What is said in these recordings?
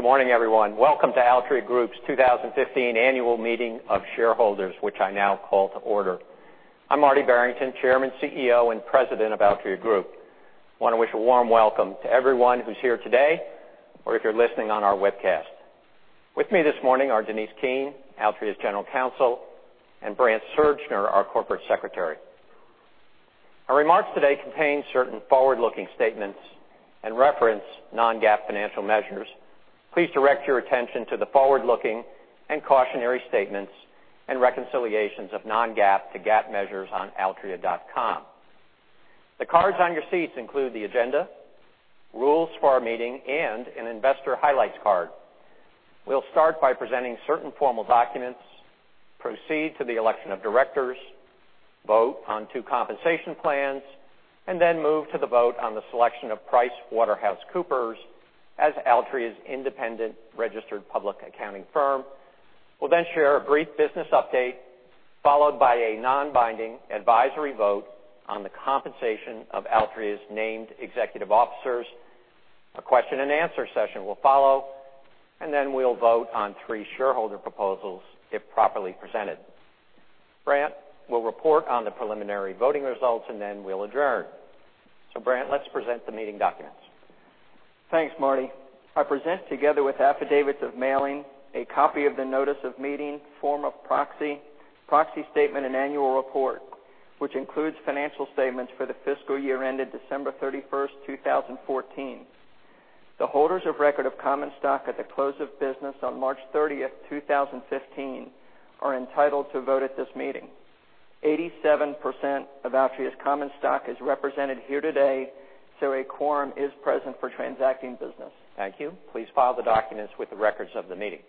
Good morning, everyone. Welcome to Altria Group's 2015 Annual Meeting of Shareholders, which I now call to order. I'm Marty Barrington, Chairman, CEO, and President of Altria Group. I want to wish a warm welcome to everyone who's here today, or if you're listening on our webcast. With me this morning are Denise Keene, Altria's General Counsel, and Brant Surgner, our Corporate Secretary. Our remarks today contain certain forward-looking statements and reference non-GAAP financial measures. Please direct your attention to the forward-looking and cautionary statements and reconciliations of non-GAAP to GAAP measures on altria.com. The cards on your seats include the agenda, rules for our meeting, and an investor highlights card. We'll start by presenting certain formal documents, proceed to the election of directors, vote on two compensation plans, move to the vote on the selection of PricewaterhouseCoopers as Altria's independent registered public accounting firm. We'll then share a brief business update, followed by a non-binding advisory vote on the compensation of Altria's named executive officers. A question and answer session will follow, we'll vote on three shareholder proposals if properly presented. Brant will report on the preliminary voting results, we'll adjourn. Brant, let's present the meeting documents. Thanks, Marty. I present, together with affidavits of mailing, a copy of the notice of meeting, form of proxy statement, and annual report, which includes financial statements for the fiscal year ended December 31st, 2014. The holders of record of common stock at the close of business on March 30th, 2015, are entitled to vote at this meeting. 87% of Altria's common stock is represented here today, a quorum is present for transacting business. Thank you. Please file the documents with the records of the meeting.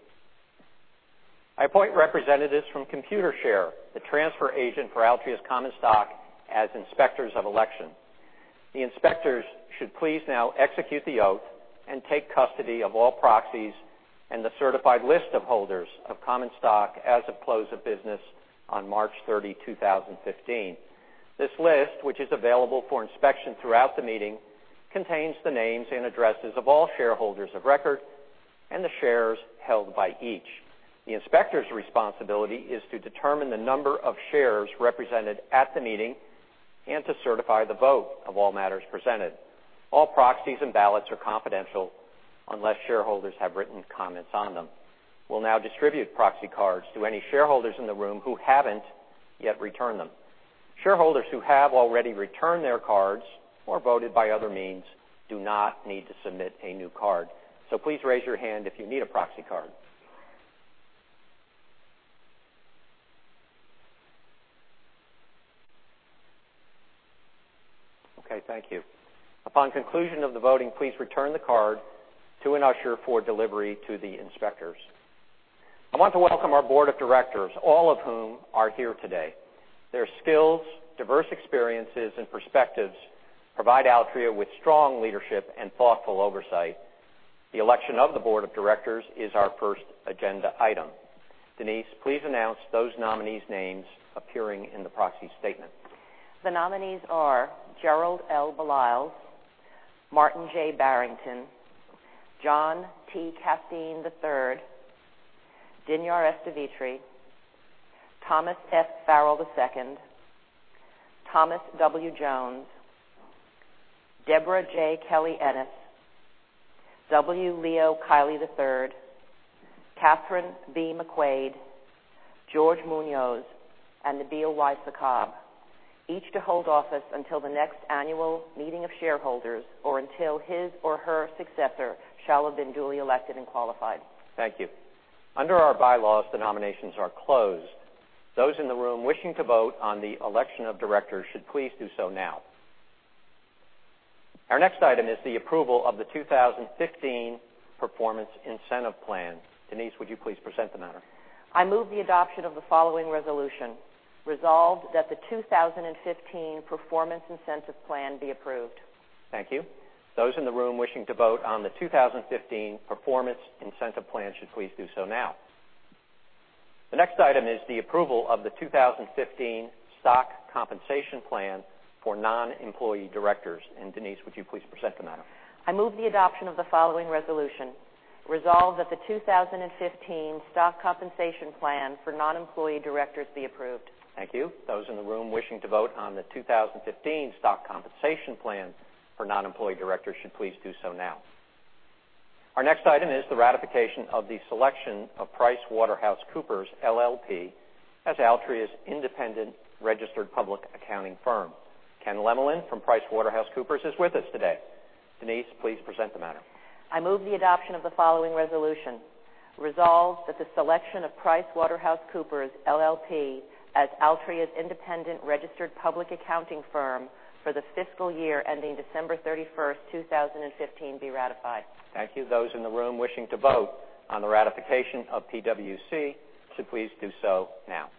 I appoint representatives from Computershare, the transfer agent for Altria's common stock, as inspectors of election. The inspectors should please now execute the oath and take custody of all proxies and the certified list of holders of common stock as of close of business on March 30, 2015. This list, which is available for inspection throughout the meeting, contains the names and addresses of all shareholders of record and the shares held by each. The inspector's responsibility is to determine the number of shares represented at the meeting and to certify the vote of all matters presented. All proxies and ballots are confidential unless shareholders have written comments on them. We'll now distribute proxy cards to any shareholders in the room who haven't yet returned them. Shareholders who have already returned their cards or voted by other means do not need to submit a new card. Please raise your hand if you need a proxy card. Okay, thank you. Upon conclusion of the voting, please return the card to an usher for delivery to the inspectors. I want to welcome our board of directors, all of whom are here today. Their skills, diverse experiences, and perspectives provide Altria with strong leadership and thoughtful oversight. The election of the board of directors is our first agenda item. Denise, please announce those nominees' names appearing in the proxy statement. The nominees are Gerald L. Baliles, Martin J. Barrington, John T. Casteen III, Dinyar S. Devitre, Thomas F. Farrell II, Thomas W. Jones, Debra J. Kelly-Ennis, W. Leo Kiely III, Kathryn B. McQuade, George Muñoz, and Nabil Y. Sakkab. Each to hold office until the next annual meeting of shareholders, or until his or her successor shall have been duly elected and qualified. Thank you. Under our bylaws, the nominations are closed. Those in the room wishing to vote on the election of directors should please do so now. Our next item is the approval of the 2015 Performance Incentive Plan. Denise, would you please present the matter? I move the adoption of the following resolution. Resolved that the 2015 Performance Incentive Plan be approved. Thank you. Those in the room wishing to vote on the 2015 Performance Incentive Plan should please do so now. The next item is the approval of the 2015 Stock Compensation Plan for non-employee directors. Denise, would you please present the matter? I move the adoption of the following resolution. Resolved that the 2015 Stock Compensation Plan for non-employee directors be approved. Thank you. Those in the room wishing to vote on the 2015 Stock Compensation Plan for non-employee directors should please do so now. Our next item is the ratification of the selection of PricewaterhouseCoopers LLP as Altria's independent registered public accounting firm. Ken Lemelin from PricewaterhouseCoopers is with us today. Denise, please present the matter. I move the adoption of the following resolution. Resolved that the selection of PricewaterhouseCoopers LLP as Altria's independent registered public accounting firm for the fiscal year ending December 31st, 2015, be ratified. Thank you. Those in the room wishing to vote on the ratification of PwC should please do so now.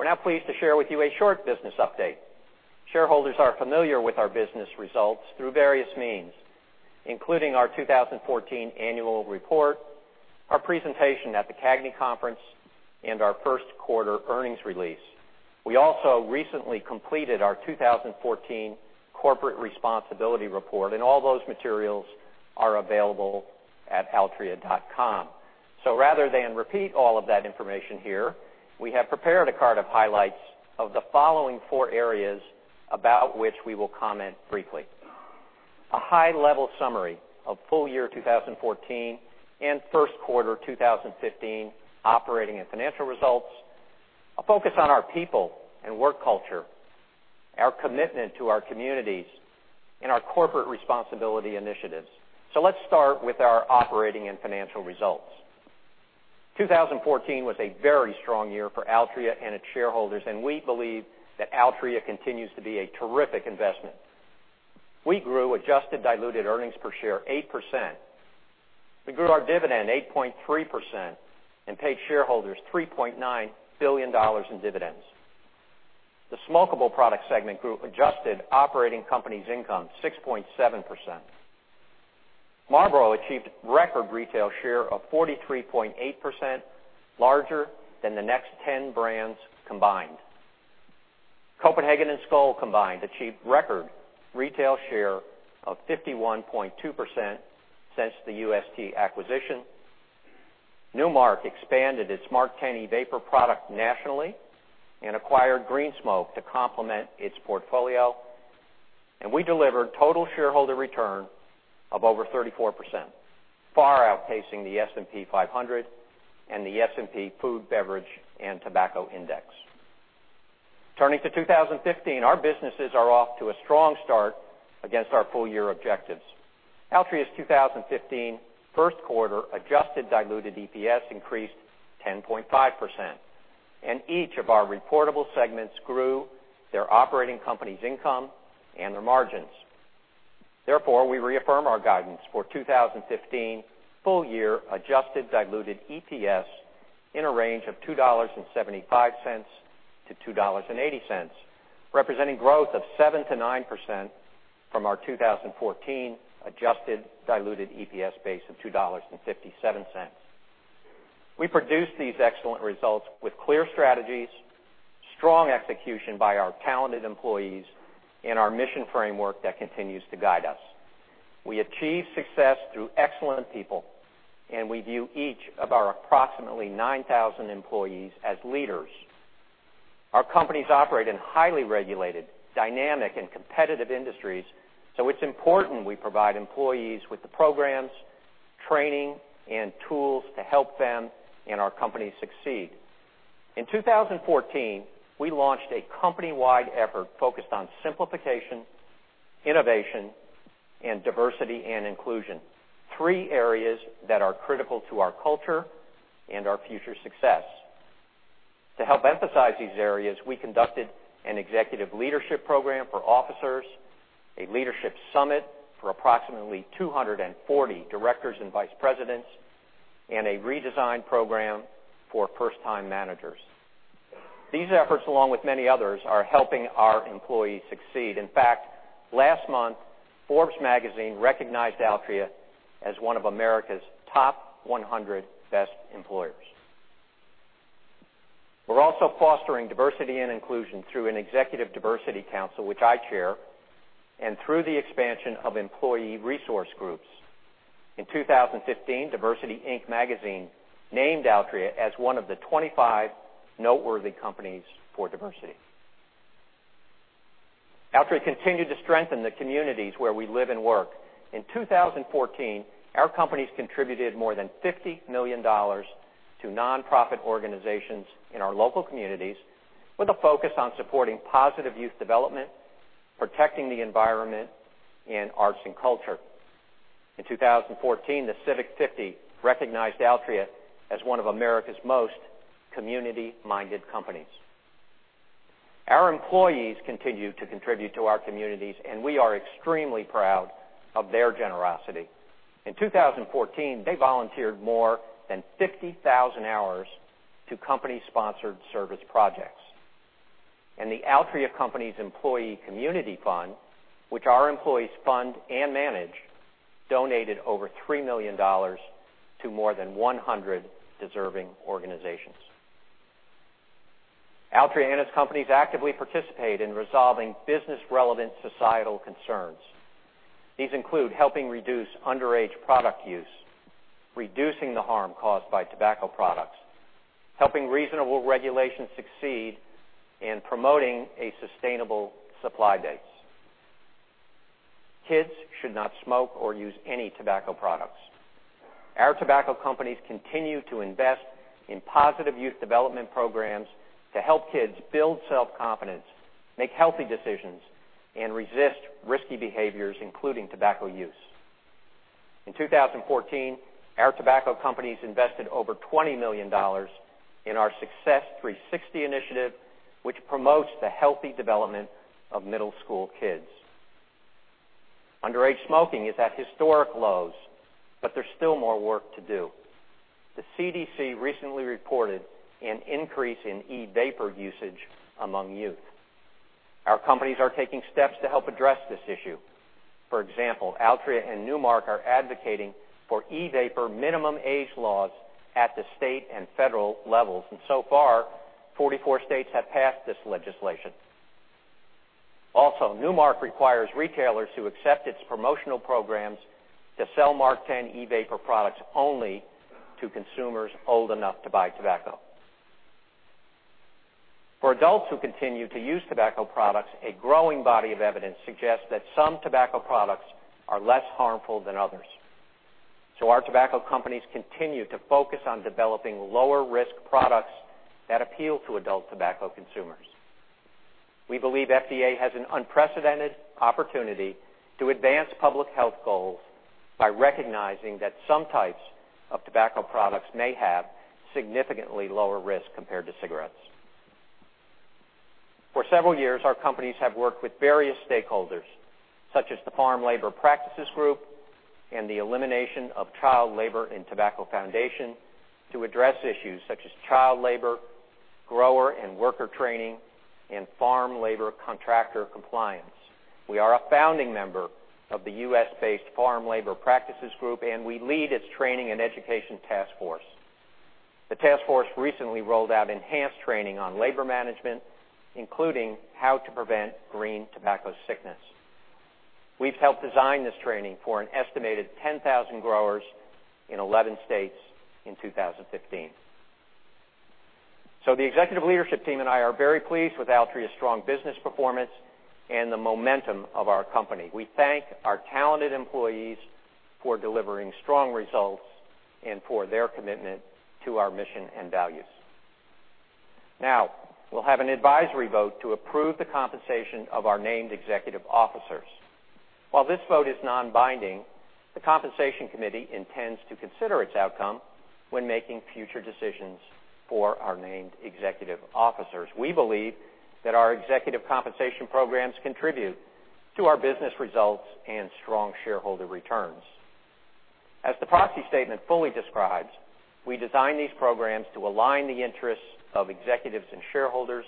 We're now pleased to share with you a short business update. Shareholders are familiar with our business results through various means, including our 2014 annual report, our presentation at the CAGNY Conference and our first quarter earnings release. We also recently completed our 2014 corporate responsibility report, and all those materials are available at altria.com. Rather than repeat all of that information here, we have prepared a card of highlights of the following four areas about which we will comment briefly. A high-level summary of full year 2014 and first quarter 2015 operating and financial results, a focus on our people and work culture, our commitment to our communities, and our corporate responsibility initiatives. Let's start with our operating and financial results. 2014 was a very strong year for Altria and its shareholders. We believe that Altria continues to be a terrific investment. We grew adjusted diluted earnings per share 8%. We grew our dividend 8.3% and paid shareholders $3.9 billion in dividends. The smokeable product segment grew adjusted operating companies income 6.7%. Marlboro achieved record retail share of 43.8%, larger than the next 10 brands combined. Copenhagen and Skoal combined achieved record retail share of 51.2% since the UST acquisition. Nu Mark expanded its MarkTen e-vapor product nationally and acquired Green Smoke to complement its portfolio. We delivered total shareholder return of over 34%, far outpacing the S&P 500 and the S&P Food, Beverage, and Tobacco Index. Turning to 2015, our businesses are off to a strong start against our full-year objectives. Altria's 2015 first quarter adjusted diluted EPS increased 10.5%. Each of our reportable segments grew their operating companies income and their margins. Therefore, we reaffirm our guidance for 2015 full year adjusted diluted EPS in a range of $2.75-$2.80, representing growth of 7%-9% from our 2014 adjusted diluted EPS base of $2.57. We produced these excellent results with clear strategies, strong execution by our talented employees, and our mission framework that continues to guide us. We achieve success through excellent people, and we view each of our approximately 9,000 employees as leaders. Our companies operate in highly regulated, dynamic, and competitive industries, so it's important we provide employees with the programs, training, and tools to help them and our company succeed. In 2014, we launched a company-wide effort focused on simplification, innovation, and diversity and inclusion, three areas that are critical to our culture and our future success. To help emphasize these areas, we conducted an executive leadership program for officers, a leadership summit for approximately 240 directors and vice presidents, and a redesign program for first-time managers. These efforts, along with many others, are helping our employees succeed. In fact, last month, Forbes magazine recognized Altria as one of America's top 100 best employers. We're also fostering diversity and inclusion through an executive diversity council, which I chair, and through the expansion of employee resource groups. In 2015, DiversityInc Magazine named Altria as one of the 25 noteworthy companies for diversity. Altria continued to strengthen the communities where we live and work. In 2014, our companies contributed more than $50 million to nonprofit organizations in our local communities with a focus on supporting positive youth development, protecting the environment, and arts and culture. In 2014, The Civic 50 recognized Altria as one of America's most community-minded companies. Our employees continue to contribute to our communities, and we are extremely proud of their generosity. In 2014, they volunteered more than 50,000 hours to company-sponsored service projects. The Altria company's employee community fund, which our employees fund and manage, donated over $3 million to more than 100 deserving organizations. Altria and its companies actively participate in resolving business-relevant societal concerns. These include helping reduce underage product use, reducing the harm caused by tobacco products, helping reasonable regulations succeed, and promoting a sustainable supply base. Kids should not smoke or use any tobacco products. Our tobacco companies continue to invest in positive youth development programs to help kids build self-confidence, make healthy decisions, and resist risky behaviors, including tobacco use. In 2014, our tobacco companies invested over $20 million in our Success360° initiative, which promotes the healthy development of middle school kids. Underage smoking is at historic lows, but there's still more work to do. The CDC recently reported an increase in e-vapor usage among youth. Our companies are taking steps to help address this issue. For example, Altria and Nu Mark are advocating for e-vapor minimum age laws at the state and federal levels. So far, 44 states have passed this legislation. Also, Nu Mark requires retailers who accept its promotional programs to sell MarkTen e-vapor products only to consumers old enough to buy tobacco. For adults who continue to use tobacco products, a growing body of evidence suggests that some tobacco products are less harmful than others. Our tobacco companies continue to focus on developing lower-risk products that appeal to adult tobacco consumers. We believe FDA has an unprecedented opportunity to advance public health goals by recognizing that some types of tobacco products may have significantly lower risk compared to cigarettes. For several years, our companies have worked with various stakeholders, such as the Farm Labor Practices Group and the Eliminating Child Labor in Tobacco Foundation, to address issues such as child labor, grower and worker training, and farm labor contractor compliance. We are a founding member of the U.S.-based Farm Labor Practices Group, and we lead its training and education task force. The task force recently rolled out enhanced training on labor management, including how to prevent green tobacco sickness. We've helped design this training for an estimated 10,000 growers in 11 states in 2015. The executive leadership team and I are very pleased with Altria's strong business performance and the momentum of our company. We thank our talented employees for delivering strong results and for their commitment to our mission and values. We'll have an advisory vote to approve the compensation of our named executive officers. While this vote is non-binding, the compensation committee intends to consider its outcome when making future decisions for our named executive officers. We believe that our executive compensation programs contribute to our business results and strong shareholder returns. As the proxy statement fully describes, we design these programs to align the interests of executives and shareholders,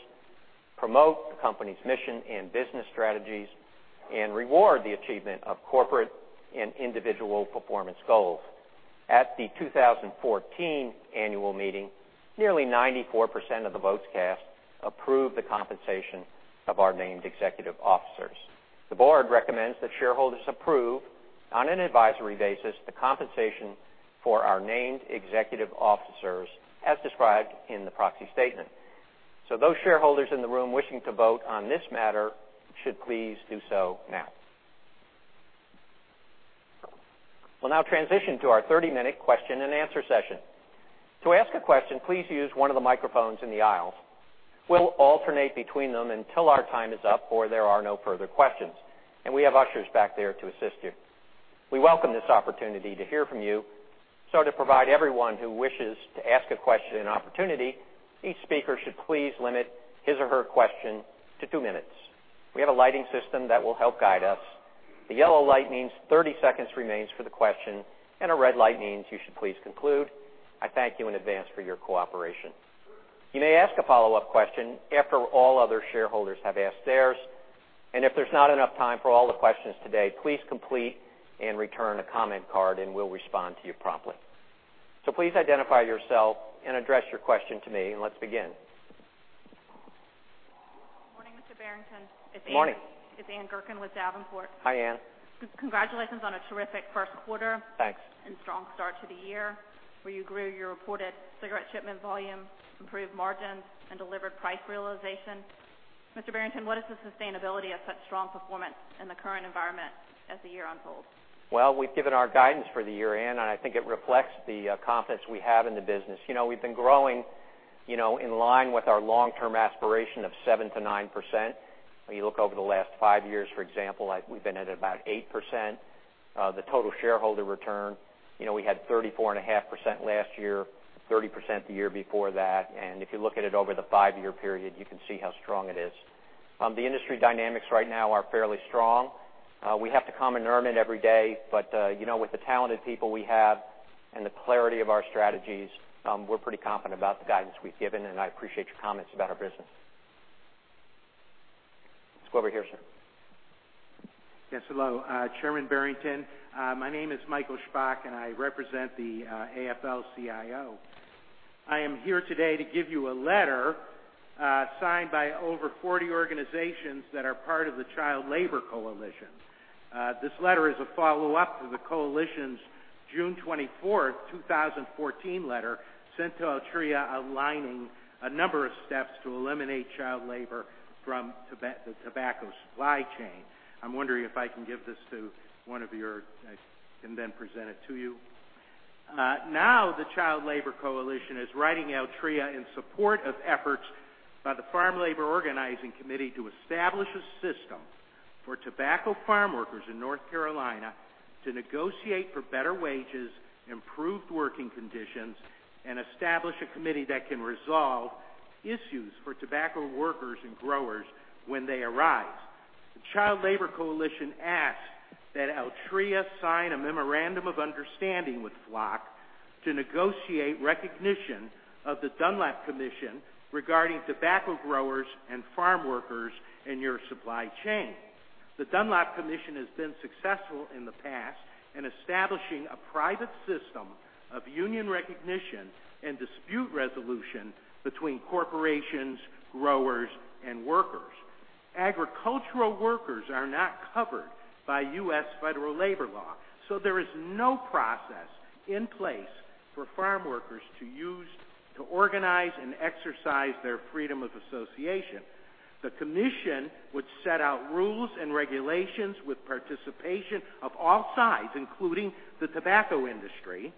promote the company's mission and business strategies, and reward the achievement of corporate and individual performance goals. At the 2014 annual meeting, nearly 94% of the votes cast approved the compensation of our named executive officers. The board recommends that shareholders approve, on an advisory basis, the compensation for our named executive officers as described in the proxy statement. Those shareholders in the room wishing to vote on this matter should please do so now. We'll now transition to our 30-minute question and answer session. To ask a question, please use one of the microphones in the aisles. We'll alternate between them until our time is up or there are no further questions. We have ushers back there to assist you. We welcome this opportunity to hear from you. To provide everyone who wishes to ask a question an opportunity, each speaker should please limit his or her question to two minutes. We have a lighting system that will help guide us. The yellow light means 30 seconds remains for the question, and a red light means you should please conclude. I thank you in advance for your cooperation. You may ask a follow-up question after all other shareholders have asked theirs. If there's not enough time for all the questions today, please complete and return a comment card and we'll respond to you promptly. Please identify yourself and address your question to me, and let's begin. Good morning, Mr. Barrington. Morning. It's Ann Gurkin with Davenport. Hi, Ann. Congratulations on a terrific first quarter. Thanks. Strong start to the year, where you grew your reported cigarette shipment volume, improved margins, and delivered price realization. Mr. Barrington, what is the sustainability of such strong performance in the current environment as the year unfolds? Well, we've given our guidance for the year, Ann, and I think it reflects the confidence we have in the business. We've been growing in line with our long-term aspiration of 7%-9%. When you look over the last five years, for example, we've been at about 8%. The total shareholder return, we had 34.5% last year, 30% the year before that. If you look at it over the five-year period, you can see how strong it is. The industry dynamics right now are fairly strong. We have to come and earn it every day, but with the talented people we have and the clarity of our strategies, we're pretty confident about the guidance we've given, and I appreciate your comments about our business. Let's go over here, sir. Yes, hello. Chairman Barrington, my name is Michael Szpak, and I represent the AFL-CIO. I am here today to give you a letter signed by over 40 organizations that are part of the Child Labor Coalition. This letter is a follow-up to the coalition's June 24th, 2014 letter sent to Altria outlining a number of steps to eliminate child labor from the tobacco supply chain. I'm wondering if I can then present it to you. The Child Labor Coalition is writing Altria in support of efforts by the Farm Labor Organizing Committee to establish a system for tobacco farm workers in North Carolina to negotiate for better wages, improved working conditions, and establish a committee that can resolve issues for tobacco workers and growers when they arise. The Child Labor Coalition asks that Altria sign a memorandum of understanding with FLOC to negotiate recognition of the Dunlap Commission regarding tobacco growers and farm workers in your supply chain. The Dunlap Commission has been successful in the past in establishing a private system of union recognition and dispute resolution between corporations, growers, and workers. Agricultural workers are not covered by U.S. federal labor law, so there is no process in place for farm workers to use to organize and exercise their freedom of association. The commission would set out rules and regulations with participation of all sides, including the tobacco industry,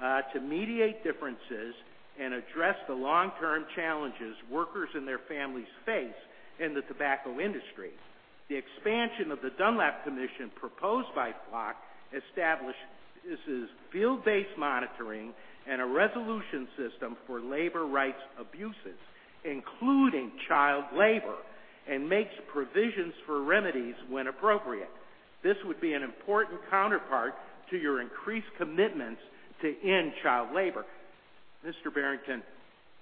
to mediate differences and address the long-term challenges workers and their families face in the tobacco industry. The expansion of the Dunlap Commission proposed by FLOC establishes field-based monitoring and a resolution system for labor rights abuses, including child labor, and makes provisions for remedies when appropriate. This would be an important counterpart to your increased commitments to end child labor. Mr. Barrington,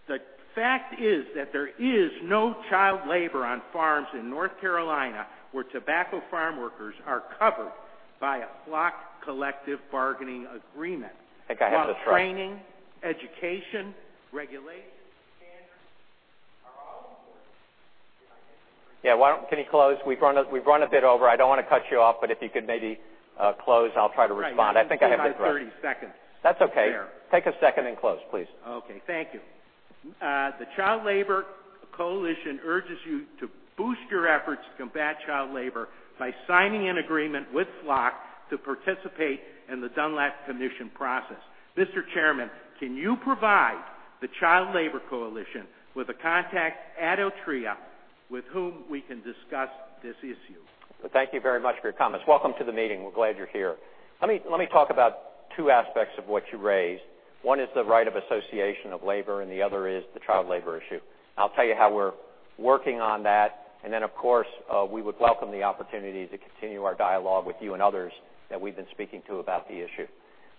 the fact is that there is no child labor on farms in North Carolina, where tobacco farm workers are covered by a FLOC collective bargaining agreement. I think I have this right. While training, education, regulation, and are all important. Yeah. Can you close? We've run a bit over. I don't want to cut you off, but if you could maybe close, I'll try to respond. I think I have this right. I have 30 seconds. That's okay. Take a second and close, please. Okay. Thank you. The Child Labor Coalition urges you to boost your efforts to combat child labor by signing an agreement with FLOC to participate in the Dunlap Commission process. Mr. Chairman, can you provide the Child Labor Coalition with a contact at Altria with whom we can discuss this issue? Thank you very much for your comments. Welcome to the meeting. We're glad you're here. Let me talk about two aspects of what you raised. One is the right of association of labor, and the other is the child labor issue. I'll tell you how we're working on that. Then, of course, we would welcome the opportunity to continue our dialogue with you and others that we've been speaking to about the issue.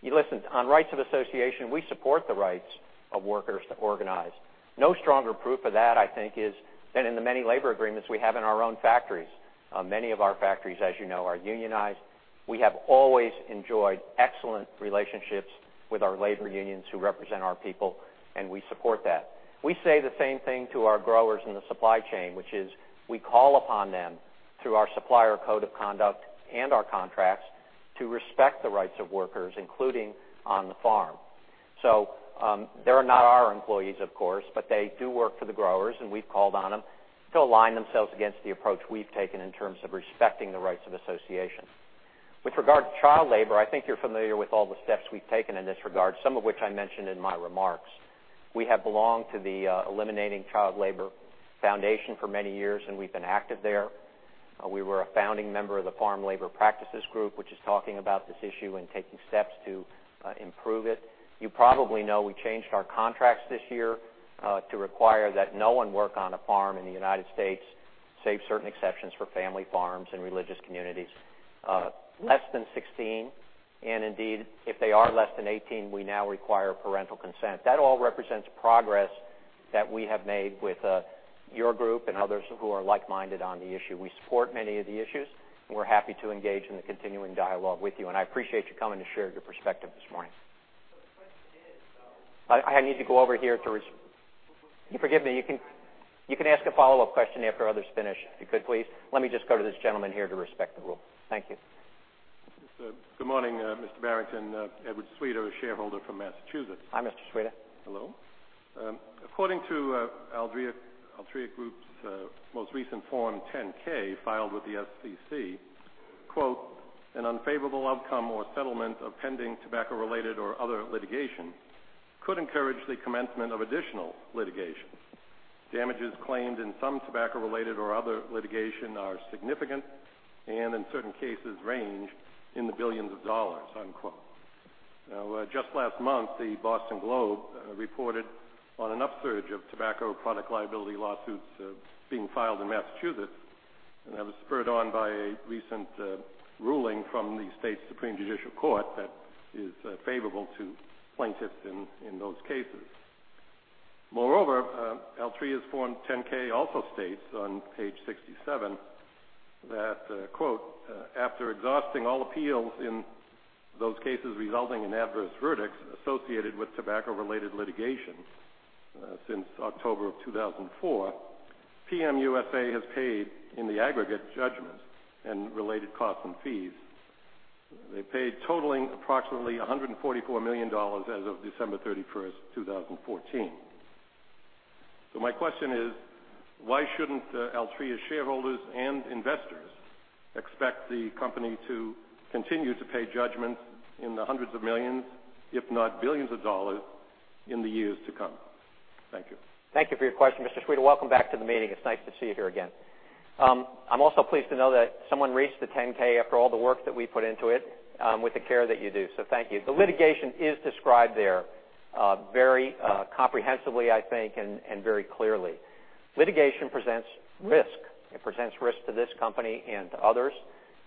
Listen, on rights of association, we support the rights of workers to organize. No stronger proof of that, I think, is than in the many labor agreements we have in our own factories. Many of our factories, as you know, are unionized. We have always enjoyed excellent relationships with our labor unions who represent our people, and we support that. We say the same thing to our growers in the supply chain, which is we call upon them through our supplier code of conduct and our contracts to respect the rights of workers, including on the farm. They're not our employees, of course, but they do work for the growers, and we've called on them to align themselves against the approach we've taken in terms of respecting the rights of association. With regard to child labor, I think you're familiar with all the steps we've taken in this regard, some of which I mentioned in my remarks. We have belonged to the Eliminating Child Labor Foundation for many years, and we've been active there. We were a founding member of the Farm Labor Practices Group, which is talking about this issue and taking steps to improve it. You probably know we changed our contracts this year to require that no one work on a farm in the U.S., save certain exceptions for family farms and religious communities, less than 16. Indeed, if they are less than 18, we now require parental consent. That all represents progress that we have made with your group and others who are like-minded on the issue. We support many of the issues, and we're happy to engage in the continuing dialogue with you, and I appreciate you coming to share your perspective this morning. The question is. I need to go over here to Forgive me. You can ask a follow-up question after others finish. If you could, please. Let me just go to this gentleman here to respect the rule. Thank you. Good morning, Mr. Barrington. Edward Sweda, a shareholder from Massachusetts. Hi, Mr. Sweda. Hello. According to Altria Group's most recent Form 10-K filed with the SEC, quote, "An unfavorable outcome or settlement of pending tobacco-related or other litigation could encourage the commencement of additional litigation. Damages claimed in some tobacco-related or other litigation are significant and, in certain cases, range in the $billions," unquote. Just last month, the Boston Globe reported on an upsurge of tobacco product liability lawsuits being filed in Massachusetts that was spurred on by a recent ruling from the state Supreme Judicial Court that is favorable to plaintiffs in those cases. Moreover, Altria's Form 10-K also states on page 67 that, quote, "After exhausting all appeals in those cases resulting in adverse verdicts associated with tobacco-related litigation since October of 2004, PM USA has paid in the aggregate judgments and related costs and fees. They paid totaling approximately $144 million as of December 31st, 2014." My question is, why shouldn't Altria's shareholders and investors expect the company to continue to pay judgments in the hundreds of millions, if not $billions, in the years to come? Thank you. Thank you for your question, Mr. Sweda. Welcome back to the meeting. It is nice to see you here again. I am also pleased to know that someone reads the 10-K after all the work that we put into it with the care that you do. Thank you. The litigation is described there very comprehensively, I think, and very clearly. Litigation presents risk. It presents risk to this company and to others,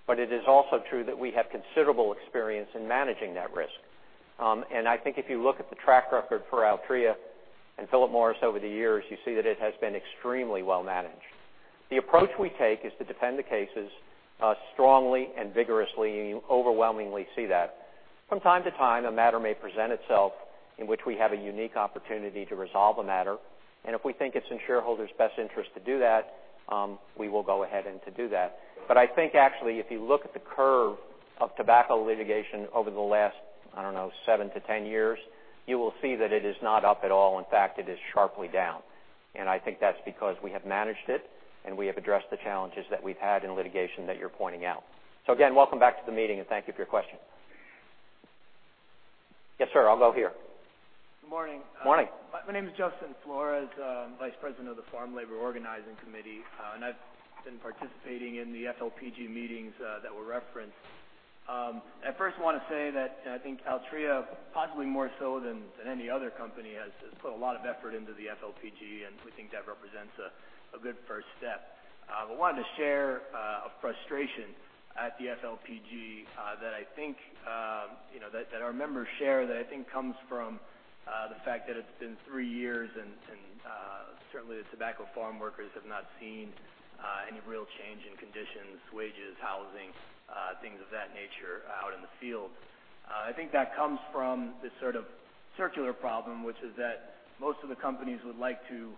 but it is also true that we have considerable experience in managing that risk. I think if you look at the track record for Altria and Philip Morris over the years, you see that it has been extremely well managed. The approach we take is to defend the cases strongly and vigorously, and you overwhelmingly see that. From time to time, a matter may present itself in which we have a unique opportunity to resolve a matter. If we think it is in shareholders' best interest to do that, we will go ahead and do that. I think actually, if you look at the curve of tobacco litigation over the last, I don't know, seven to 10 years, you will see that it is not up at all. In fact, it is sharply down. I think that is because we have managed it and we have addressed the challenges that we have had in litigation that you are pointing out. Again, welcome back to the meeting, and thank you for your question. Yes, sir. I will go here. Good morning. Morning. My name is Justin Flores, vice president of the Farm Labor Organizing Committee. I've been participating in the FLPG meetings that were referenced. I first want to say that I think Altria, possibly more so than any other company, has put a lot of effort into the FLPG. We think that represents a good first step. I wanted to share a frustration at the FLPG that our members share that I think comes from the fact that it's been three years and certainly the tobacco farm workers have not seen any real change in conditions, wages, housing, things of that nature out in the field. I think that comes from this sort of circular problem, which is that most of the companies would like to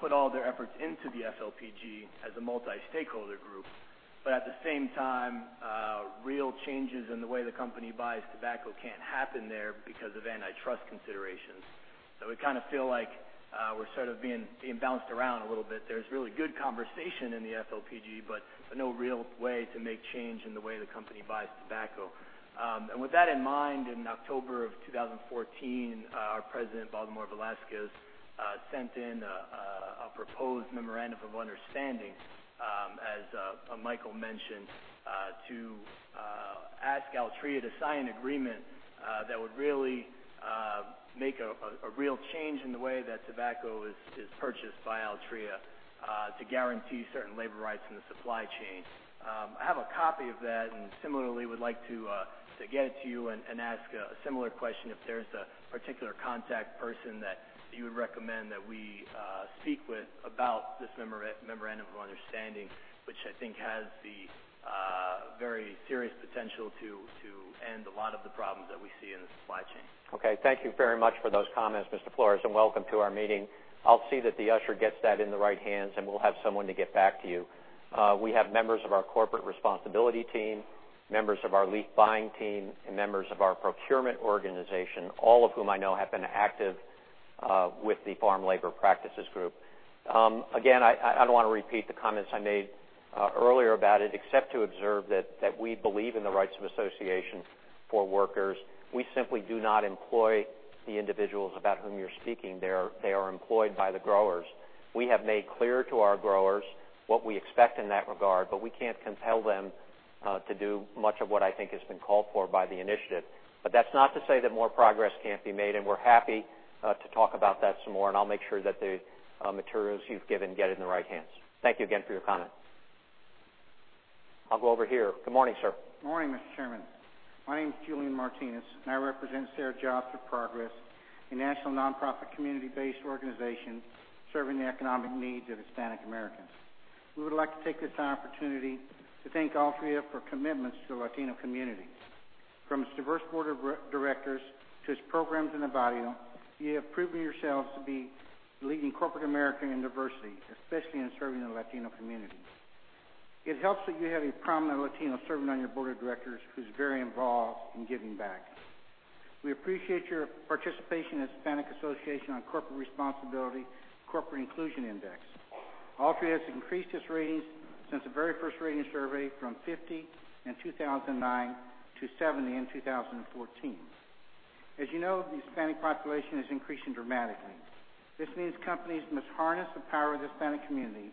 put all their efforts into the FLPG as a multi-stakeholder group. At the same time, real changes in the way the company buys tobacco can't happen there because of antitrust considerations. We kind of feel like we're sort of being bounced around a little bit. There's really good conversation in the FLPG, but no real way to make change in the way the company buys tobacco. With that in mind, in October of 2014, our president, Baldemar Velasquez, sent in a proposed memorandum of understanding, as Michael mentioned, to ask Altria to sign an agreement that would really make a real change in the way that tobacco is purchased by Altria to guarantee certain labor rights in the supply chain. I have a copy of that and similarly would like to get it to you and ask a similar question if there's a particular contact person that you would recommend that we speak with about this memorandum of understanding, which I think has the very serious potential to end a lot of the problems that we see in the supply chain. Okay. Thank you very much for those comments, Mr. Flores, and welcome to our meeting. I'll see that the usher gets that in the right hands, and we'll have someone to get back to you. We have members of our corporate responsibility team, members of our leaf buying team, and members of our procurement organization, all of whom I know have been active with the Farm Labor Practices Group. Again, I don't want to repeat the comments I made earlier about it, except to observe that we believe in the rights of association for workers. We simply do not employ the individuals about whom you're speaking. They are employed by the growers. We have made clear to our growers what we expect in that regard, but we can't compel them to do much of what I think has been called for by the initiative. That's not to say that more progress can't be made, and we're happy to talk about that some more, and I'll make sure that the materials you've given get in the right hands. Thank you again for your comment. I'll go over here. Good morning, sir. Morning, Mr. Chairman. My name is Julian Martinez, and I represent SER-Jobs for Progress, a national nonprofit community-based organization serving the economic needs of Hispanic Americans. We would like to take this opportunity to thank Altria for its commitments to the Latino community. From its diverse board of directors to its programs in Evaldo, you have proven yourselves to be leading corporate America in diversity, especially in serving the Latino community. It helps that you have a prominent Latino serving on your board of directors who's very involved in giving back. We appreciate your participation in the Hispanic Association on Corporate Responsibility Corporate Inclusion Index. Altria has increased its ratings since the very first rating survey from 50 in 2009 to 70 in 2014. As you know, the Hispanic population is increasing dramatically. This means companies must harness the power of the Hispanic community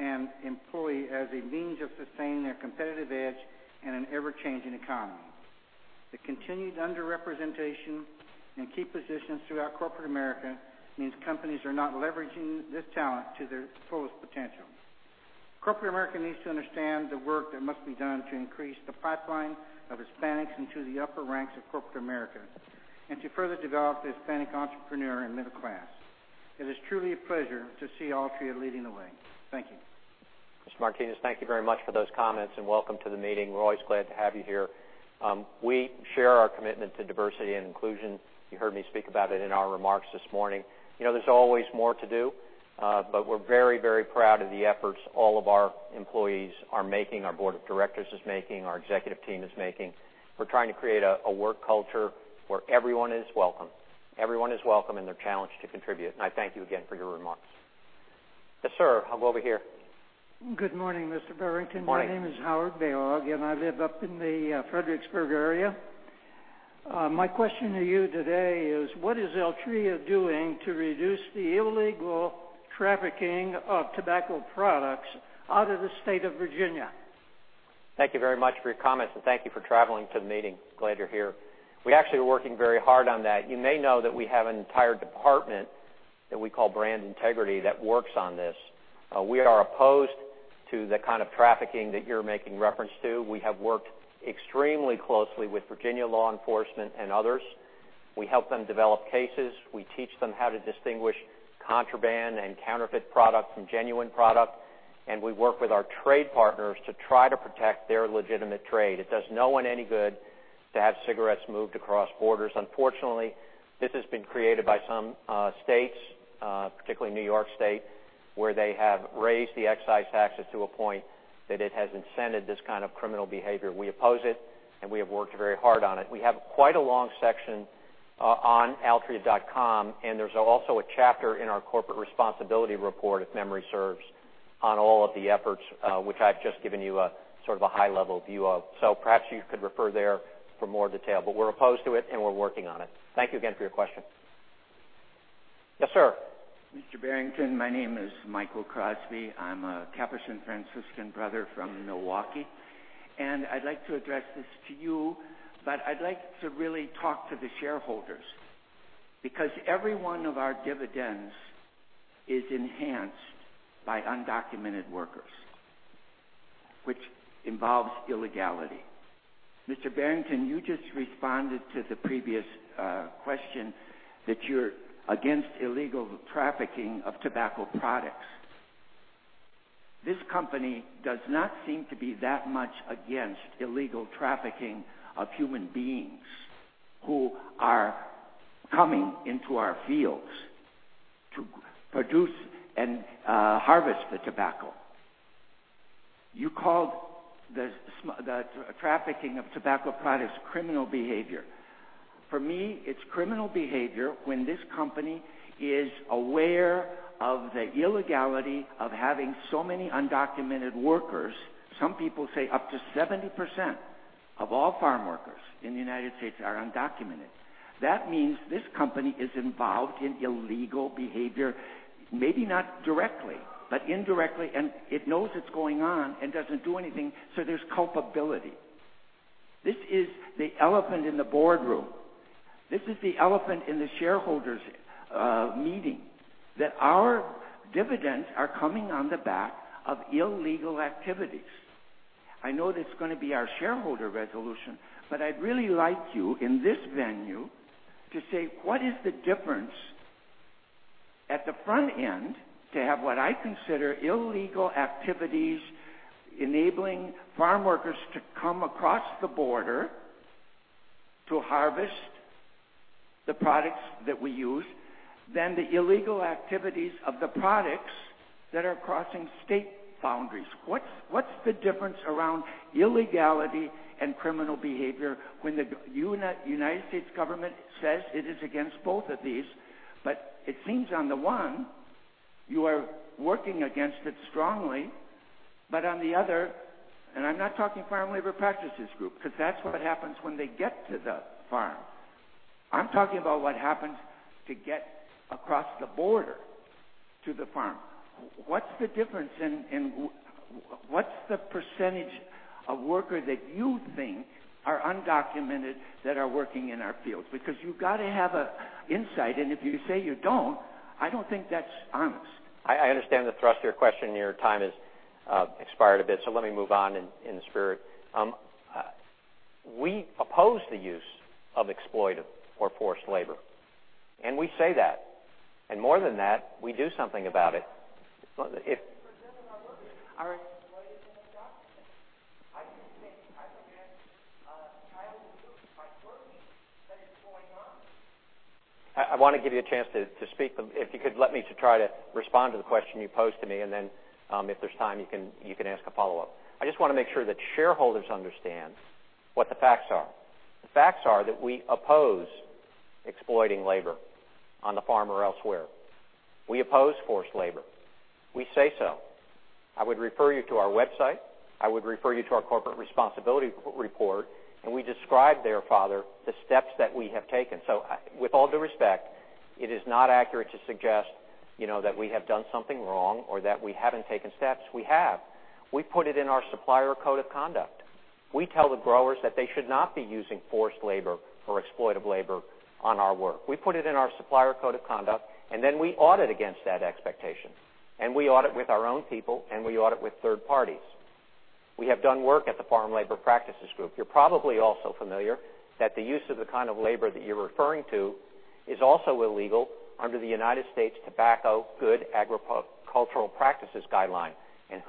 and employ as a means of sustaining their competitive edge in an ever-changing economy. The continued under-representation in key positions throughout corporate America means companies are not leveraging this talent to their fullest potential. Corporate America needs to understand the work that must be done to increase the pipeline of Hispanics into the upper ranks of corporate America and to further develop the Hispanic entrepreneur and middle class. It is truly a pleasure to see Altria leading the way. Thank you. Mr. Martinez, thank you very much for those comments, welcome to the meeting. We're always glad to have you here. We share our commitment to diversity and inclusion. You heard me speak about it in our remarks this morning. There's always more to do, but we're very proud of the efforts all of our employees are making, our board of directors is making, our executive team is making. We're trying to create a work culture where everyone is welcome. Everyone is welcome and they're challenged to contribute. I thank you again for your remarks. Yes, sir. I'll go over here. Good morning, Mr. Barrington. Morning. My name is Howard Bayog, I live up in the Fredericksburg area. My question to you today is, what is Altria doing to reduce the illegal trafficking of tobacco products out of the state of Virginia? Thank you very much for your comments, thank you for traveling to the meeting. Glad you're here. We actually are working very hard on that. You may know that we have an entire department that we call Brand Integrity that works on this. We are opposed to the kind of trafficking that you're making reference to. We have worked extremely closely with Virginia law enforcement and others. We help them develop cases. We teach them how to distinguish contraband and counterfeit product from genuine product, we work with our trade partners to try to protect their legitimate trade. It does no one any good to have cigarettes moved across borders. Unfortunately, this has been created by some states, particularly New York State, where they have raised the excise taxes to a point that it has incented this kind of criminal behavior. We oppose it, and we have worked very hard on it. We have quite a long section on altria.com, and there's also a chapter in our corporate responsibility report, if memory serves, on all of the efforts, which I've just given you a high-level view of. Perhaps you could refer there for more detail. We're opposed to it, and we're working on it. Thank you again for your question. Yes, sir. Mr. Barrington, my name is Michael Crosby. I'm a Capuchin Franciscan Brother from Milwaukee, and I'd like to address this to you, but I'd like to really talk to the shareholders, because every one of our dividends is enhanced by undocumented workers, which involves illegality. Mr. Barrington, you just responded to the previous question that you're against illegal trafficking of tobacco products. This company does not seem to be that much against illegal trafficking of human beings who are coming into our fields to produce and harvest the tobacco. You called the trafficking of tobacco products criminal behavior. For me, it's criminal behavior when this company is aware of the illegality of having so many undocumented workers. Some people say up to 70% of all farm workers in the U.S. are undocumented. That means this company is involved in illegal behavior, maybe not directly, but indirectly. It knows it's going on and doesn't do anything. There's culpability. This is the elephant in the boardroom. This is the elephant in the shareholders meeting. That our dividends are coming on the back of illegal activities. I know that's going to be our shareholder resolution, but I'd really like you, in this venue, to say, what is the difference at the front end to have what I consider illegal activities enabling farmworkers to come across the border to harvest the products that we use, than the illegal activities of the products that are crossing state boundaries? What's the difference around illegality and criminal behavior when the U.S. government says it is against both of these? It seems on the one, you are working against it strongly, but on the other. I'm not talking Farm Labor Practices Group, because that's what happens when they get to the farm. I'm talking about what happens to get across the border to the farm. What's the difference? What's the percentage of workers that you think are undocumented that are working in our fields? You've got to have insight, and if you say you don't, I don't think that's honest. I understand the thrust of your question. Your time has expired a bit, let me move on in the spirit. We oppose the use of exploitive or forced labor, we say that. More than that, we do something about it. I want to give you a chance to speak, but if you could let me try to respond to the question you posed to me, and then if there's time, you can ask a follow-up. I just want to make sure that shareholders understand what the facts are. The facts are that we oppose exploiting labor on the farm or elsewhere. We oppose forced labor. We say so. I would refer you to our website. I would refer you to our corporate responsibility report, and we describe there, Father, the steps that we have taken. With all due respect, it is not accurate to suggest that we have done something wrong or that we haven't taken steps. We have. We put it in our supplier code of conduct. We tell the growers that they should not be using forced labor or exploitive labor on our work. We put it in our supplier code of conduct, and then we audit against that expectation. We audit with our own people, and we audit with third parties. We have done work at the Farm Labor Practices Group. You're probably also familiar that the use of the kind of labor that you're referring to is also illegal under the U.S. Tobacco Good Agricultural Practices guideline.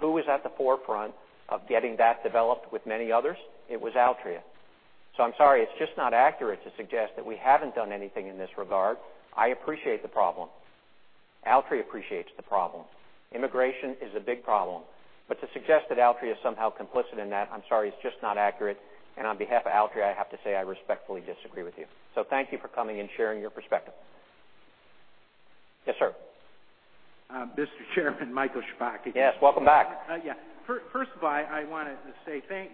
Who was at the forefront of getting that developed with many others? It was Altria. I'm sorry, it's just not accurate to suggest that we haven't done anything in this regard. I appreciate the problem. Altria appreciates the problem. Immigration is a big problem. To suggest that Altria is somehow complicit in that, I'm sorry, it's just not accurate. On behalf of Altria, I have to say I respectfully disagree with you. Thank you for coming and sharing your perspective. Yes, sir. Mr. Chairman, Michael Szpak here. Yes, welcome back. First of all, I wanted to say thank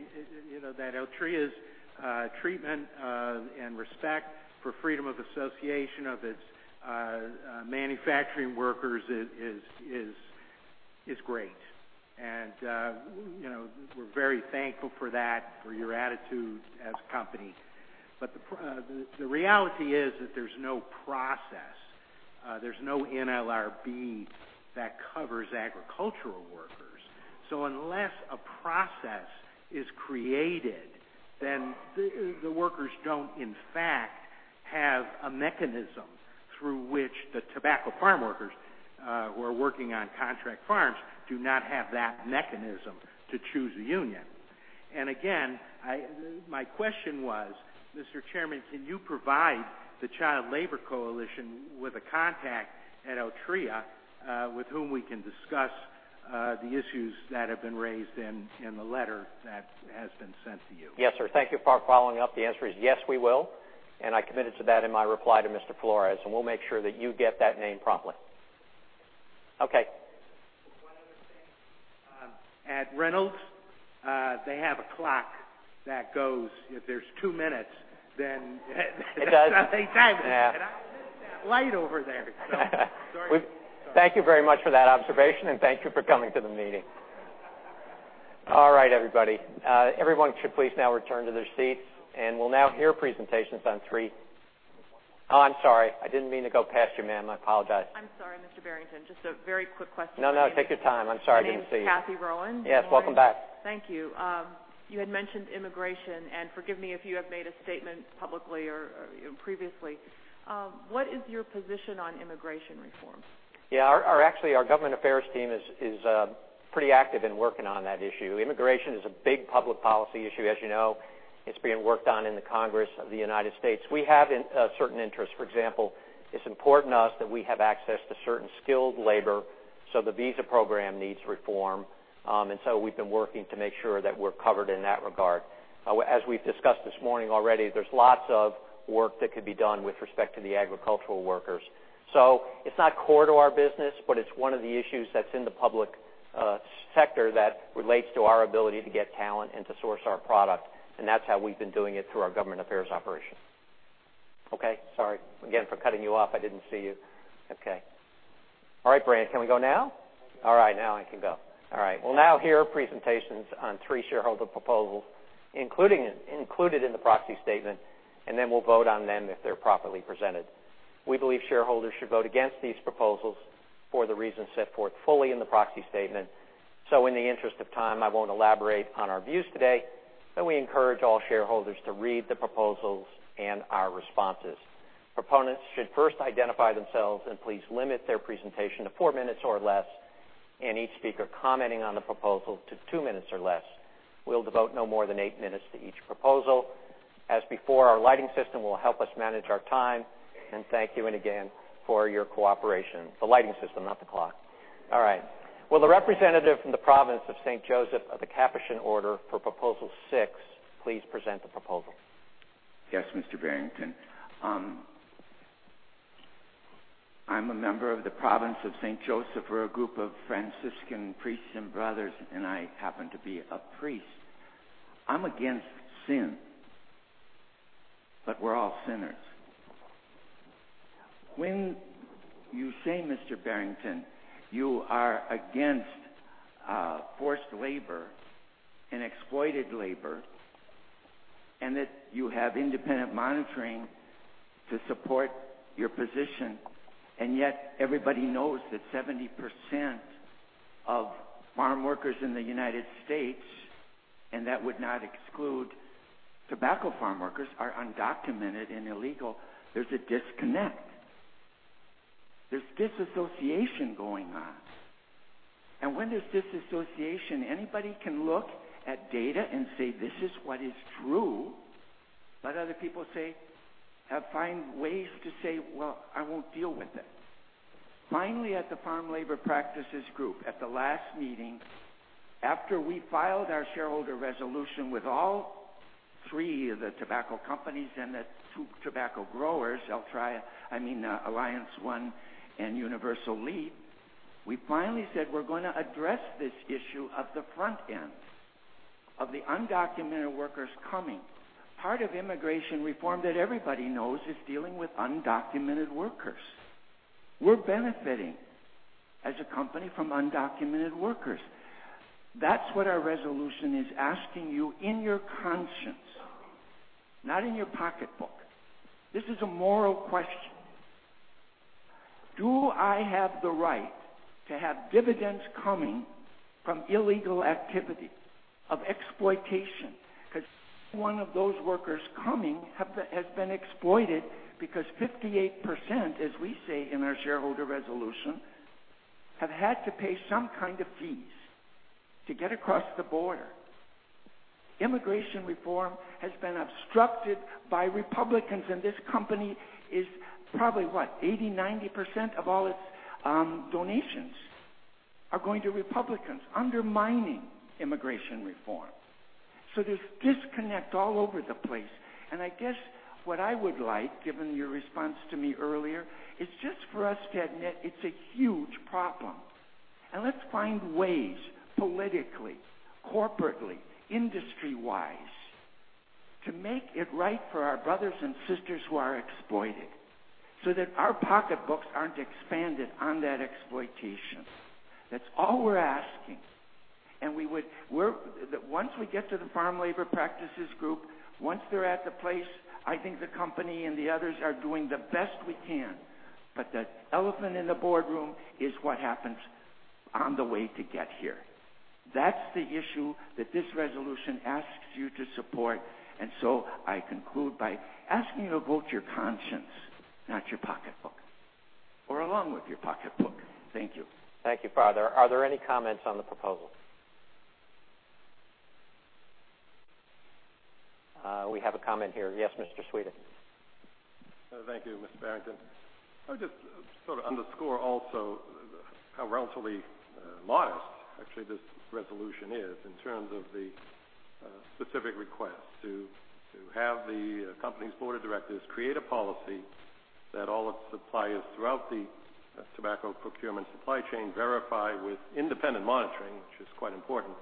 you. That Altria's treatment and respect for freedom of association of its manufacturing workers is great. We're very thankful for that, for your attitude as a company. The reality is that there's no process, there's no NLRB that covers agricultural workers. Unless a process is created, then the workers don't, in fact, have a mechanism through which the tobacco farm workers who are working on contract farms do not have that mechanism to choose a union. Again, my question was, Mr. Chairman, can you provide the Child Labor Coalition with a contact at Altria, with whom we can discuss the issues that have been raised in the letter that has been sent to you? Yes, sir. Thank you for following up. The answer is yes, we will, I committed to that in my reply to Mr. Flores, We'll make sure that you get that name promptly. Okay. One other thing. At Reynolds, they have a clock that goes, if there's two minutes. It does. They time it. Yeah. I missed that light over there. Sorry. Thank you very much for that observation, and thank you for coming to the meeting. All right, everybody. Everyone should please now return to their seats, and we'll now hear presentations on three Oh, I'm sorry. I didn't mean to go past you, ma'am. I apologize. I'm sorry, Mr. Barrington. Just a very quick question. No, take your time. I'm sorry I didn't see you. My name is Cathy Rowan. Yes, welcome back. Thank you. You had mentioned immigration, and forgive me if you have made a statement publicly or previously. What is your position on immigration reform? Yeah, actually, our government affairs team is pretty active in working on that issue. Immigration is a big public policy issue, as you know. It's being worked on in the Congress of the U.S. We have a certain interest. For example, it's important to us that we have access to certain skilled labor, so the visa program needs reform. We've been working to make sure that we're covered in that regard. As we've discussed this morning already, there's lots of work that could be done with respect to the agricultural workers. It's not core to our business, but it's one of the issues that's in the public sector that relates to our ability to get talent and to source our product, and that's how we've been doing it through our government affairs operation. Okay. Sorry again for cutting you off. I didn't see you. Okay. All right, Brant, can we go now? All right, now I can go. All right. We'll now hear presentations on three shareholder proposals included in the proxy statement, and then we'll vote on them if they're properly presented. We believe shareholders should vote against these proposals for the reasons set forth fully in the proxy statement. In the interest of time, I won't elaborate on our views today, but we encourage all shareholders to read the proposals and our responses. Proponents should first identify themselves and please limit their presentation to four minutes or less, and each speaker commenting on the proposal to two minutes or less. We'll devote no more than eight minutes to each proposal. As before, our lighting system will help us manage our time. Thank you, and again, for your cooperation. The lighting system, not the clock. All right. Will the representative from the Province of St. Joseph of the Capuchin Order for proposal six, please present the proposal. Yes, Mr. Barrington. I'm a member of the Province of St. Joseph. We're a group of Franciscan priests and brothers, and I happen to be a priest. I'm against sin, but we're all sinners. When you say, Mr. Barrington, you are against forced labor and exploited labor, and that you have independent monitoring to support your position, yet everybody knows that 70% of farm workers in the U.S., and that would not exclude tobacco farm workers, are undocumented and illegal. There's a disconnect. There's disassociation going on. When there's disassociation, anybody can look at data and say, "This is what is true." Other people find ways to say, "Well, I won't deal with it." Finally, at the Farm Labor Practices Group, at the last meeting, after we filed our shareholder resolution with all three of the tobacco companies and the two tobacco growers, Alliance One and Universal Leaf, we finally said, we're going to address this issue at the front end of the undocumented workers coming. Part of immigration reform that everybody knows is dealing with undocumented workers. We're benefiting as a company from undocumented workers. That's what our resolution is asking you in your conscience, not in your pocketbook. This is a moral question. Do I have the right to have dividends coming from illegal activity of exploitation? Because every one of those workers coming has been exploited because 58%, as we say in our shareholder resolution, have had to pay some kind of fees to get across the border. Immigration reform has been obstructed by Republicans, this company is probably what? 80%, 90% of all its donations are going to Republicans undermining immigration reform. There's disconnect all over the place. I guess what I would like, given your response to me earlier, is just for us to admit it's a huge problem. Let's find ways politically, corporately, industry-wise to make it right for our brothers and sisters who are exploited, so that our pocketbooks aren't expanded on that exploitation. That's all we're asking. Once we get to the Farm Labor Practices Group, once they're at the place, I think the company and the others are doing the best we can. The elephant in the boardroom is what happens on the way to get here. That's the issue that this resolution asks you to support. I conclude by asking you to vote your conscience, not your pocketbook. Along with your pocketbook. Thank you. Thank you, Father. Are there any comments on the proposal? We have a comment here. Yes, Mr. Sweda. Thank you, Mr. Barrington. I would just sort of underscore also how relatively modest actually this resolution is in terms of the specific request to have the company's board of directors create a policy that all its suppliers throughout the tobacco procurement supply chain verify with independent monitoring, which is quite important,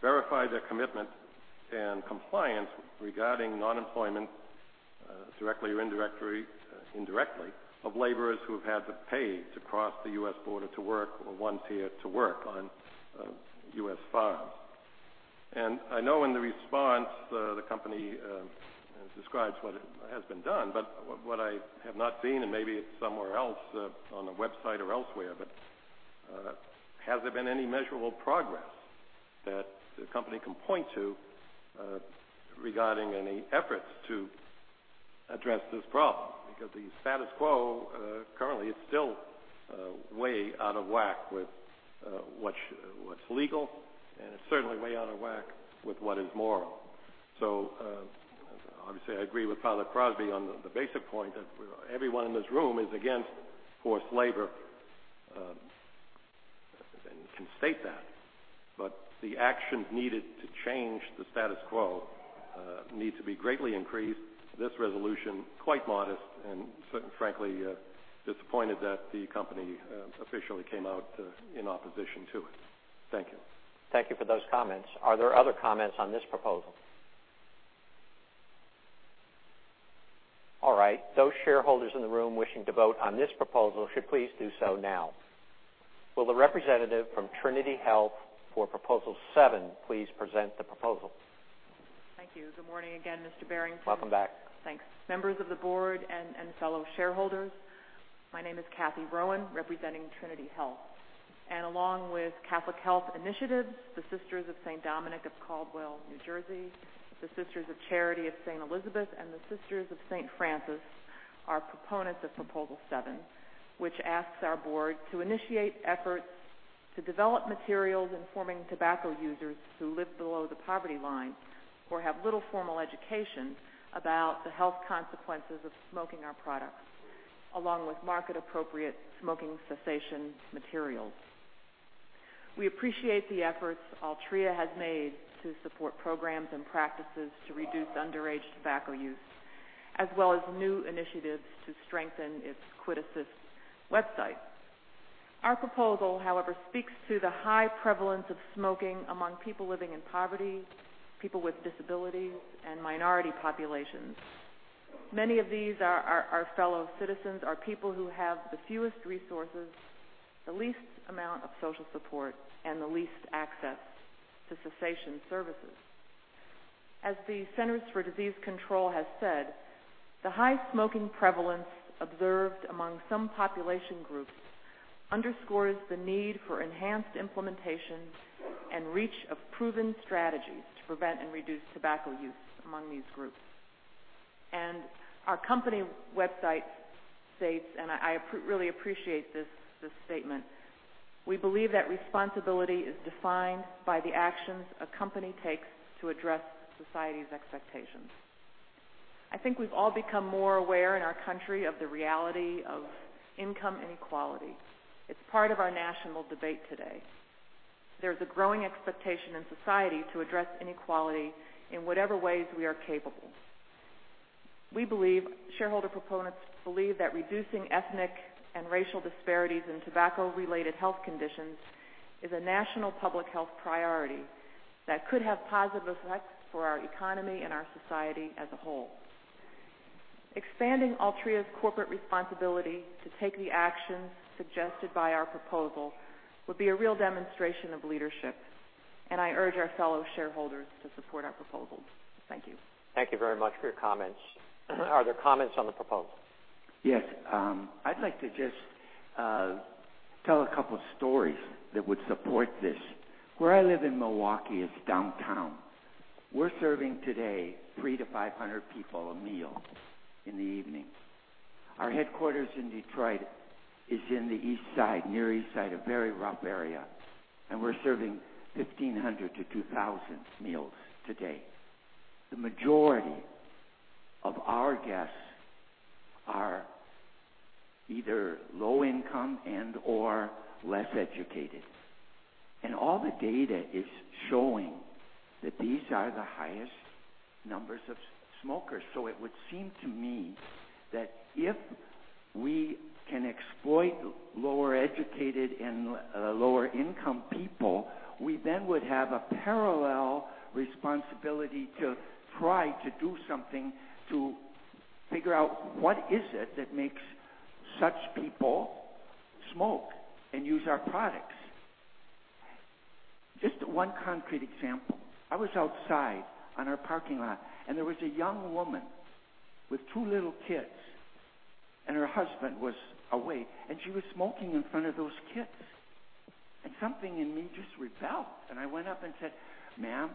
verify their commitment and compliance regarding non-employment, directly or indirectly, of laborers who have had to pay to cross the U.S. border to work, or once here to work on U.S. farms. I know in the response, the company describes what has been done, but what I have not seen, and maybe it's somewhere else, on the website or elsewhere, but has there been any measurable progress that the company can point to regarding any efforts to address this problem? The status quo currently is still way out of whack with what's legal, and it's certainly way out of whack with what is moral. Obviously, I agree with Father Crosby on the basic point that everyone in this room is against forced labor, and can state that. The actions needed to change the status quo need to be greatly increased. This resolution, quite modest, and frankly, disappointed that the company officially came out in opposition to it. Thank you. Thank you for those comments. Are there other comments on this proposal? All right. Those shareholders in the room wishing to vote on this proposal should please do so now. Will the representative from Trinity Health for proposal seven please present the proposal. Thank you. Good morning again, Mr. Barrington. Welcome back. Thanks. Members of the board and fellow shareholders, my name is Cathy Rowan, representing Trinity Health. Along with Catholic Health Initiatives, the Sisters of Saint Dominic of Caldwell, New Jersey, the Sisters of Charity of Saint Elizabeth, and the Sisters of Saint Francis are proponents of Proposal Seven, which asks our board to initiate efforts to develop materials informing tobacco users who live below the poverty line or have little formal education about the health consequences of smoking our products, along with market-appropriate smoking cessation materials. We appreciate the efforts Altria has made to support programs and practices to reduce underage tobacco use, as well as new initiatives to strengthen its QuitAssist website. Our proposal, however, speaks to the high prevalence of smoking among people living in poverty, people with disabilities, and minority populations. Many of these, our fellow citizens, are people who have the fewest resources, the least amount of social support, and the least access to cessation services. As the Centers for Disease Control has said, "The high smoking prevalence observed among some population groups underscores the need for enhanced implementation and reach of proven strategies to prevent and reduce tobacco use among these groups." Our company website states, and I really appreciate this statement, "We believe that responsibility is defined by the actions a company takes to address society's expectations." I think we've all become more aware in our country of the reality of income inequality. It's part of our national debate today. There's a growing expectation in society to address inequality in whatever ways we are capable. We believe, shareholder proponents believe that reducing ethnic and racial disparities in tobacco-related health conditions is a national public health priority that could have positive effects for our economy and our society as a whole. Expanding Altria's corporate responsibility to take the actions suggested by our proposal would be a real demonstration of leadership, and I urge our fellow shareholders to support our proposal. Thank you. Thank you very much for your comments. Are there comments on the proposal? Yes. I'd like to just tell a couple stories that would support this. Where I live in Milwaukee, it's downtown. We're serving today 300 to 500 people a meal in the evening. Our headquarters in Detroit is in the east side, near east side, a very rough area, and we're serving 1,500 to 2,000 meals today. The majority of our guests are either low income and/or less educated. All the data is showing that these are the highest numbers of smokers. It would seem to me that if we can exploit lower-educated and lower-income people, we then would have a parallel responsibility to try to do something to figure out what is it that makes such people smoke and use our products. Just one concrete example. I was outside on our parking lot, and there was a young woman with two little kids, and her husband was away, and she was smoking in front of those kids. Something in me just rebelled, and I went up and said, "Ma'am,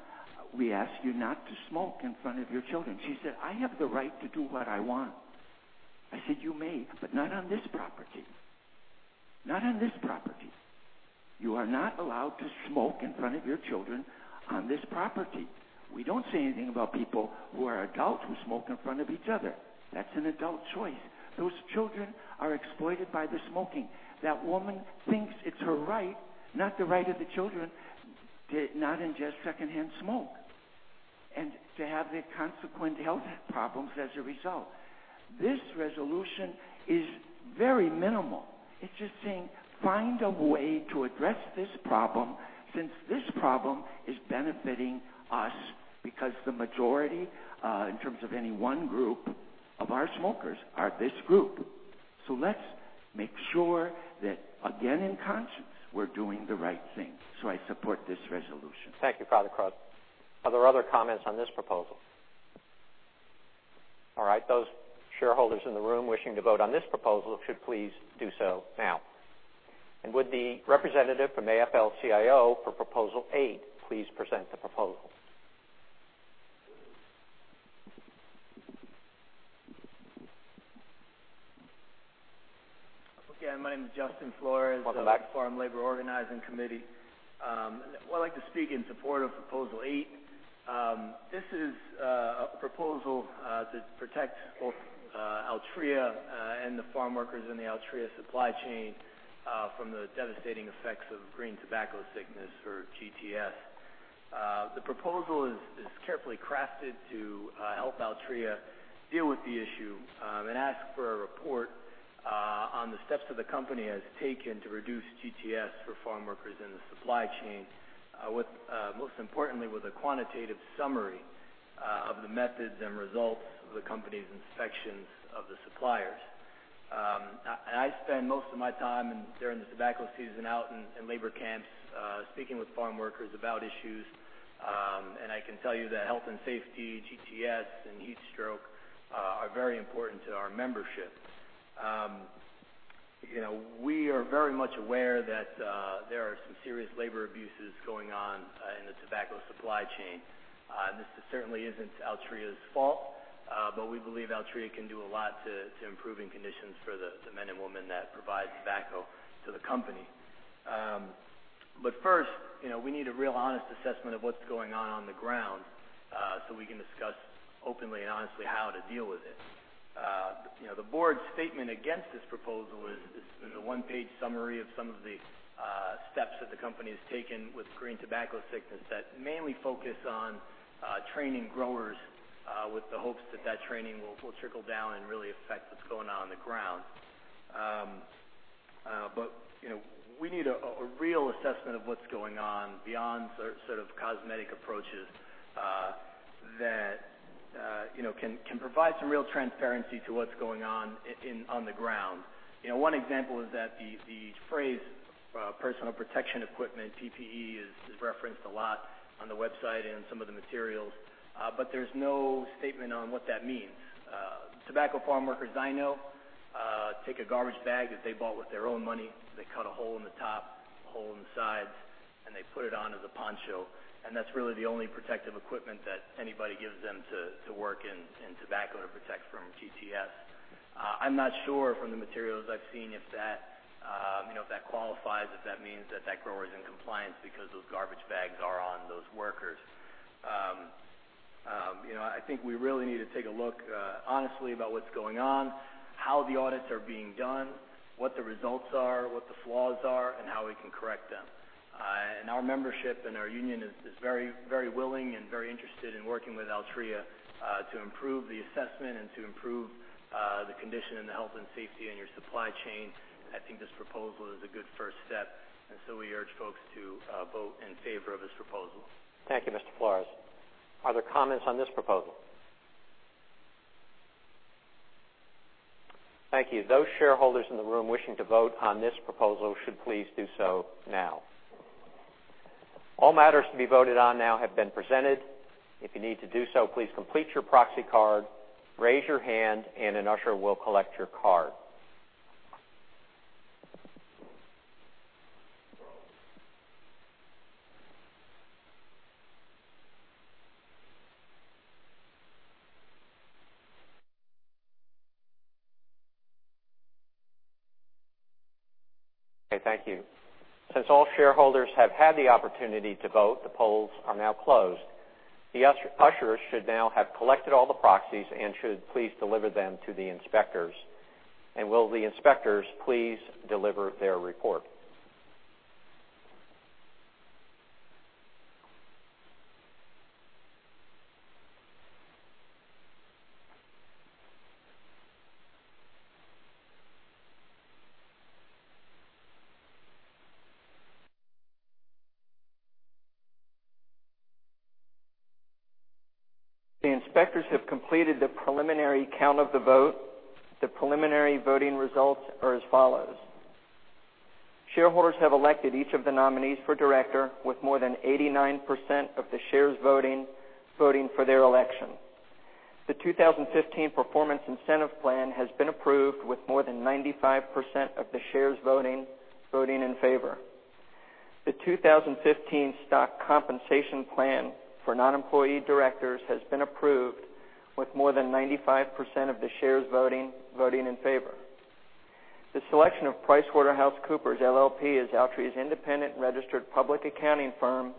we ask you not to smoke in front of your children." She said, "I have the right to do what I want." I said, "You may, but not on this property. You are not allowed to smoke in front of your children on this property." We don't say anything about people who are adults who smoke in front of each other. That's an adult choice. Those children are exploited by the smoking. That woman thinks it's her right, not the right of the children, to not ingest secondhand smoke and to have the consequent health problems as a result. This resolution is very minimal. It's just saying, find a way to address this problem, since this problem is benefiting us, because the majority, in terms of any one group of our smokers, are this group. Let's make sure that, again, in conscience, we're doing the right thing. I support this resolution. Thank you, Father Crosby. Are there other comments on this proposal? All right. Those shareholders in the room wishing to vote on this proposal should please do so now. Would the representative from AFL-CIO for Proposal Eight please present the proposal? Again, my name is Justin Flores. Welcome back. Farm Labor Organizing Committee. I'd like to speak in support of Proposal Eight. This is a proposal to protect both Altria and the farm workers in the Altria supply chain from the devastating effects of green tobacco sickness, or GTS. The proposal is carefully crafted to help Altria deal with the issue. It asks for a report on the steps that the company has taken to reduce GTS for farm workers in the supply chain, most importantly, with a quantitative summary of the methods and results of the company's inspections of the suppliers. I spend most of my time during the tobacco season out in labor camps, speaking with farm workers about issues. I can tell you that health and safety, GTS, and heat stroke are very important to our membership. We are very much aware that there are some serious labor abuses going on in the tobacco supply chain. This certainly isn't Altria's fault, but we believe Altria can do a lot to improving conditions for the men and women that provide tobacco to the company. First, we need a real honest assessment of what's going on the ground, so we can discuss openly and honestly how to deal with it. The board's statement against this proposal is a one-page summary of some of the steps that the company has taken with green tobacco sickness that mainly focus on training growers with the hopes that training will trickle down and really affect what's going on on the ground. We need a real assessment of what's going on beyond cosmetic approaches that can provide some real transparency to what's going on the ground. One example is that the phrase personal protective equipment, PPE, is referenced a lot on the website and some of the materials. There's no statement on what that means. Tobacco farm workers I know take a garbage bag that they bought with their own money. They cut a hole in the top, a hole in the sides. They put it on as a poncho. That's really the only protective equipment that anybody gives them to work in tobacco to protect from GTS. I'm not sure from the materials I've seen if that qualifies, if that means that grower is in compliance because those garbage bags are on those workers. I think we really need to take a look honestly about what's going on, how the audits are being done, what the results are, what the flaws are, and how we can correct them. Our membership and our union is very willing and very interested in working with Altria, to improve the assessment and to improve the condition and the health and safety in your supply chain. I think this proposal is a good first step. We urge folks to vote in favor of this proposal. Thank you, Mr. Flores. Are there comments on this proposal? Thank you. Those shareholders in the room wishing to vote on this proposal should please do so now. All matters to be voted on now have been presented. If you need to do so, please complete your proxy card, raise your hand, and an usher will collect your card. Okay, thank you. Since all shareholders have had the opportunity to vote, the polls are now closed. The ushers should now have collected all the proxies and should please deliver them to the inspectors. Will the inspectors please deliver their report? The inspectors have completed the preliminary count of the vote. The preliminary voting results are as follows. Shareholders have elected each of the nominees for director with more than 89% of the shares voting for their election. The 2015 Performance Incentive Plan has been approved with more than 95% of the shares voting in favor. The 2015 Stock Compensation Plan for Non-Employee Directors has been approved with more than 95% of the shares voting in favor. The selection of PricewaterhouseCoopers LLP as Altria's independent registered public accounting firm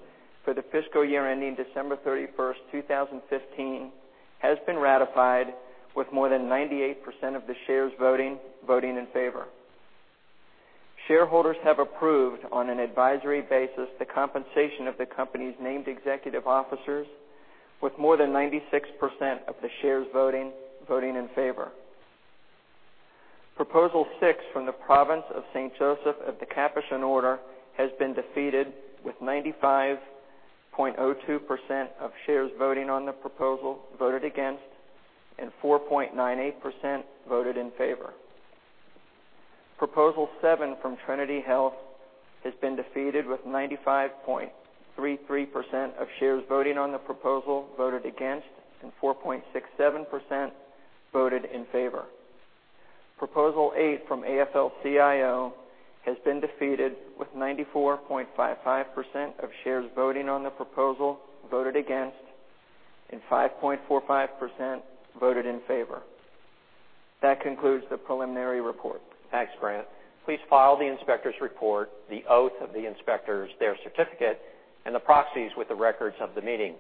for the fiscal year ending December 31st, 2015, has been ratified with more than 98% of the shares voting in favor. Shareholders have approved on an advisory basis the compensation of the company's named executive officers with more than 96% of the shares voting in favor. Proposal 6 from the Province of St. Joseph of the Capuchin Order has been defeated with 95.02% of shares voting on the proposal voted against and 4.98% voted in favor. Proposal 7 from Trinity Health has been defeated with 95.33% of shares voting on the proposal voted against and 4.67% voted in favor. Proposal 8 from AFL-CIO has been defeated with 94.55% of shares voting on the proposal voted against and 5.45% voted in favor. That concludes the preliminary report. Thanks, Brant. Please file the inspector's report, the oath of the inspectors, their certificate, and the proxies with the records of the meeting.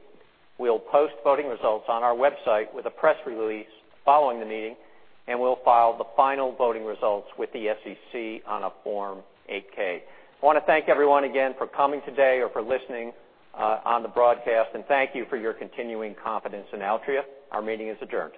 We'll post voting results on our website with a press release following the meeting. We'll file the final voting results with the SEC on a Form 8-K. I want to thank everyone again for coming today or for listening on the broadcast, and thank you for your continuing confidence in Altria. Our meeting is adjourned.